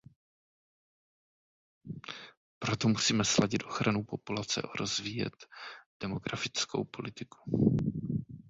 Proto musíme sladit ochranu populace a rozvíjet demografickou politiku.